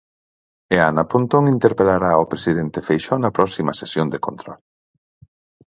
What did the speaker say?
E Ana Pontón interpelará ao presidente Feixóo na próxima sesión de control.